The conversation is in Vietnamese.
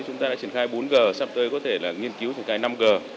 chúng ta đã triển khai bốn g sắp tới có thể là nghiên cứu triển khai năm g